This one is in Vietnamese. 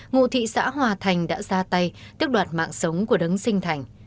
ngụ thị xã hòa thành đã ra tay tức đoạt mạng sống của đấng sinh thành